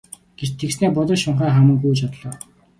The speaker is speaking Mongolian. Тэгснээ будаг шунхаа хаман гүйж одлоо.